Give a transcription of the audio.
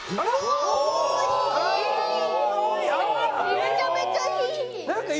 めちゃめちゃいい！